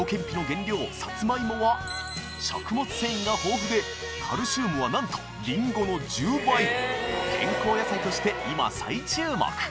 原料さつまいもは食物繊維が豊富でカルシウムはなんとりんごの１０倍健康野菜として今再注目